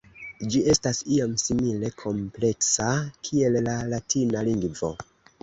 Ĝi estas iom simile kompleksa kiel la latina lingvo.